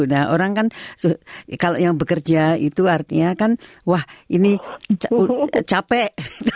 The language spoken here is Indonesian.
nah orang kan kalau yang bekerja itu artinya kan wah ini capek